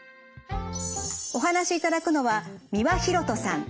お話しいただくのは三輪洋人さん。